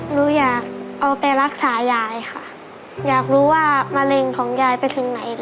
หนูอยากเอาไปรักษายายค่ะอยากรู้ว่ามะเร็งของยายไปถึงไหน